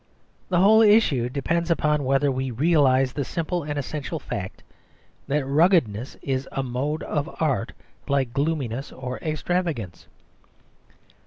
The whole issue depends upon whether we realise the simple and essential fact that ruggedness is a mode of art like gloominess or extravagance.